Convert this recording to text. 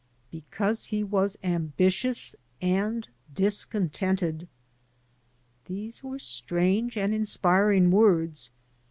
Because he was ambi tious and discontented." These were strange and inspiring words.